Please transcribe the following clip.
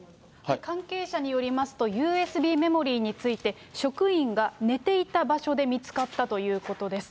関係者によりますと、ＵＳＢメモリについて、職員が寝ていた場所で見つかったということです。